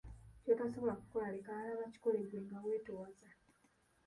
Ky'otasobola kukola leka abalala bakikole ggwe nga wetoowaza.